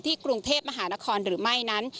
กรุงเทพมหานครหรือไม่นั้น